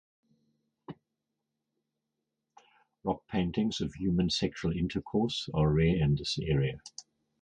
Rock paintings of human sexual intercourse are rare in this area.